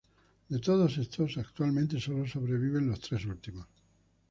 De todos estos actualmente sólo sobreviven los tres últimos.